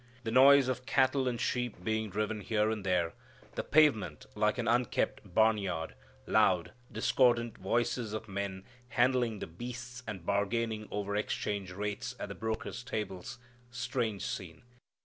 The noise of cattle and sheep being driven here and there, the pavement like an unkempt barnyard, loud, discordant voices of men handling the beasts and bargaining over exchange rates at the brokers' tables strange scene.